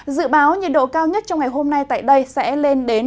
dự báo nhiệt độ cao nhất trong ngày hôm nay tại đây sẽ lên đến ba mươi năm ba mươi bảy độ